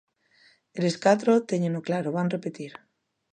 Eles catro téñeno claro, van repetir.